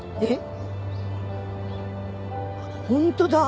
本当だ！